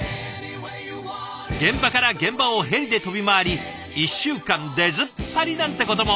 現場から現場をヘリで飛び回り１週間出ずっぱりなんてことも。